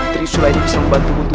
triste ini belum mau kuasa